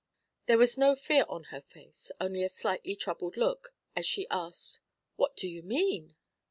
There was no fear on her face, only a slightly troubled look, as she asked: 'What do you mean?'